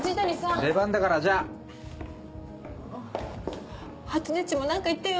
出番だからじゃ。はつねっちも何か言ってよ。